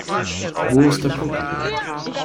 Wo ist der Puck?